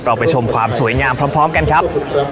ไปชมความสวยงามพร้อมกันครับ